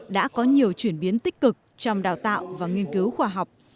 đã có nhiều chuyển biến tích cực trong đào tạo và nghiên cứu khoa học